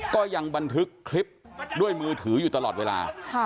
ก็ยังบันทึกคลิปด้วยมือถืออยู่ตลอดเวลา